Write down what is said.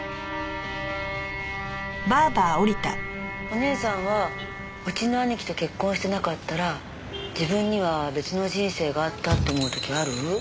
お義姉さんはうちの兄貴と結婚してなかったら自分には別の人生があったって思う時ある？